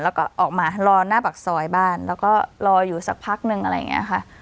แล้วก็ออกมารอหน้าปากซอยบ้านแล้วก็รออยู่สักพักนึงอะไรอย่างนี้ค่ะ